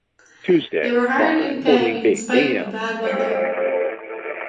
They were hired in Fagne, in spite of the bad weather.